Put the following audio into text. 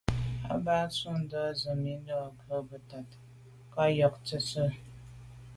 Àbâ tɔ̌ tûɁndá zə̄ Númí lù ngə́ bɛ́tə́ càŋ ŋkɔ̀k tə̀tswə́.